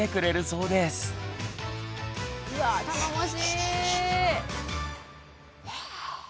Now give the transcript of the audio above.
うわ頼もしい。